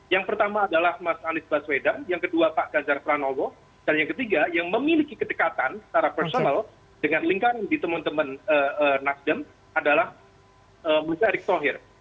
yang pertama adalah mas anies baswedan yang kedua pak ganjar pranowo dan yang ketiga yang memiliki kedekatan secara personal dengan lingkaran di teman teman nasdem adalah mas erick thohir